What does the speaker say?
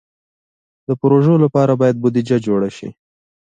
د پروژو لپاره باید بودیجه جوړه شي.